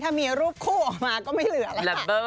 ถ้ามีรูปคู่ออกมาก็ไม่เหลือแล้วค่ะ